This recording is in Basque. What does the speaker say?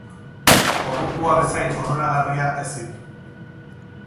Ordukoa bezain onuragarria, ezin.